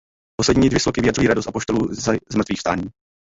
Poslední dvě sloky vyjadřují radost apoštolů ze zmrtvýchvstání.